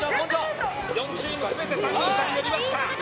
４チーム全て三輪車に乗りました。